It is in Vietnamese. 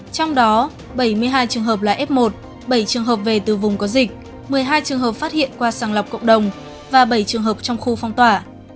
trong đó bảy mươi hai trường hợp là f một bảy trường hợp về từ vùng có dịch một mươi hai trường hợp phát hiện qua sàng lọc cộng đồng và bảy trường hợp trong khu phong tỏa